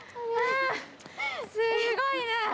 すごいな！